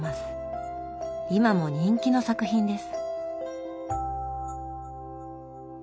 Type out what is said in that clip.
今も人気の作品です。